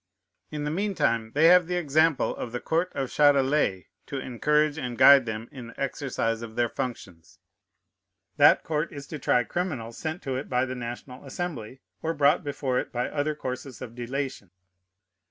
In the mean time they have the example of the court of Châtelet to encourage and guide them in the exercise of their functions. That court is to try criminals sent to it by the National Assembly, or brought before it by other courses of delation.